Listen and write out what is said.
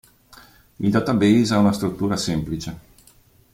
Il database ha una struttura semplice.